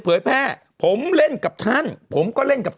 มันจะคนละตัวกับที่ผลิตที่ยุโรป